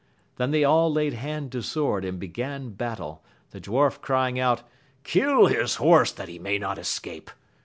Then they all laid hand to sword and began battle, the dwarf crying out, kill his horse that he may not escape